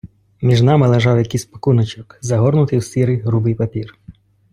Між нами лежав якийсь пакуночок, загорнутий в сірий грубий папір.